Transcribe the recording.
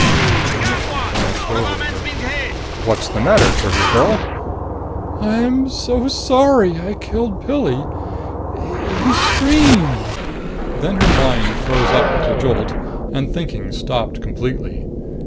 The Commissioner glanced over at her. "What's the matter, Trigger girl?" "I'm so s sorry I killed Pilli. He s screamed." Then her mind froze up with a jolt, and thinking stopped completely.